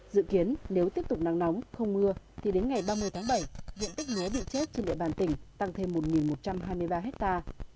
dự kiến nếu tiếp tục nắng nóng không mưa thì đến ngày ba mươi tháng bảy diện tích mía bị chết trên địa bàn tỉnh tăng thêm một một trăm hai mươi ba hectare